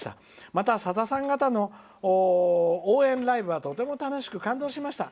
またさださん方の応援ライブはとても楽しく感動しました。